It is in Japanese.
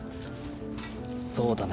そうだね。